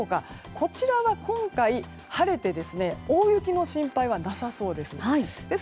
こちらは今回、晴れて大雪の心配はなさそうです。